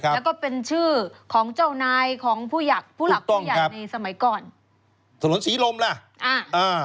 แล้วก็เป็นชื่อของเจ้านายของผู้หลักผู้หยัดในสมัยก่อน